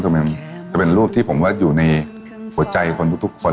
มันเป็นรูปที่ผมว่าอยู่ในหัวใจคนทุกคน